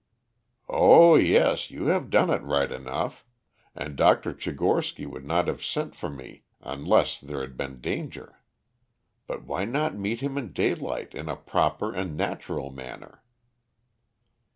"Oh, yes, you have done it right enough. And Dr. Tchigorsky would not have sent for me unless there had been danger. But why not meet him in daylight in a proper and natural manner?"